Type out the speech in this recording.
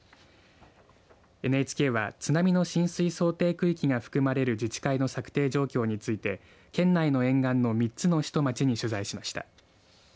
ＮＨＫは津波の浸水想定区域が含まれる自治会の策定状況について県内の沿岸の３つの市と町に取材しました。